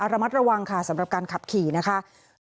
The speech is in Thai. ระมัดระวังค่ะสำหรับการขับขี่นะคะ